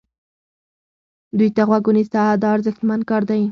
دوی ته غوږ ونیسه دا ارزښتمن کار دی.